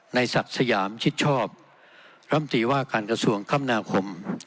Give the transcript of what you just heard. ศักดิ์สยามชิดชอบรำตีว่าการกระทรวงคมนาคม